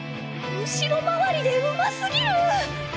後ろ回りでうますぎるっ！